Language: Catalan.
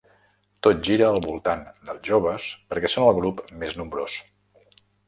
Tot gira al voltant dels joves perquè són el grup més nombrós.